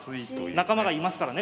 仲間がいますからね